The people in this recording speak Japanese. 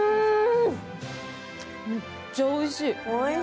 めっちゃおいしい。